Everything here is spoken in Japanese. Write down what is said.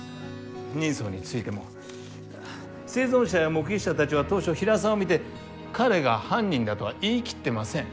人相についても生存者や目撃者たちは当初平沢を見て彼が犯人だとは言い切ってません。